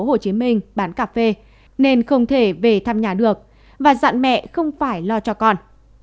hồ chí minh bán cà phê nên không thể về thăm nhà được và dặn mẹ không phải lo cho con